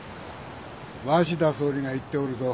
鷲田総理が言っておるぞ。